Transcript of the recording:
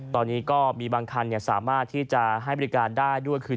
ตอนนี้ก็มีบางคันสามารถที่จะให้บริการได้ด้วยคือ